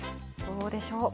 どうでしょう？